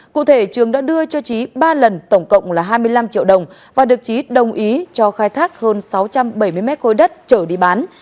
cụ thể trường đã đưa cho trí ba lần tổng cộng là hai mươi năm triệu đồng và được trí đồng ý cho khai thác hơn sáu trăm bảy mươi mét khối đất trở đi bán